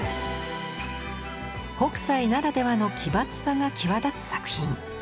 北斎ならではの奇抜さが際立つ作品。